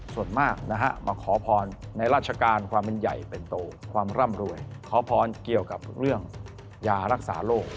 ส่วนมากนะฮะมาขอพรในราชการความเป็นใหญ่เป็นโตความร่ำรวยขอพรเกี่ยวกับเรื่องยารักษาโรค